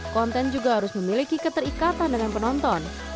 konten juga harus memiliki keterikatan dengan penonton